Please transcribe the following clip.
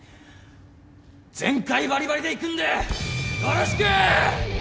全開バリバリでいくんでよろしくー！